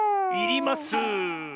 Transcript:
いります。